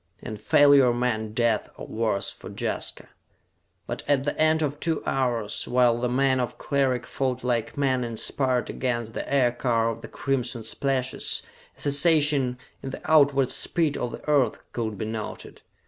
And failure meant death or worse for Jaska. But at the end of two hours, while the men of Cleric fought like men inspired against the aircar of the crimson slashes, a cessation in the outward speed of the earth could be noted.